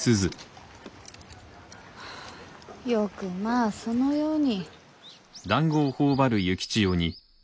よくまあそのように。